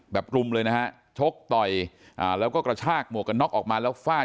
กลุ่มเลยนะฮะชกต่อยอ่าแล้วก็กระชากหมวกกันน็อกออกมาแล้วฟาด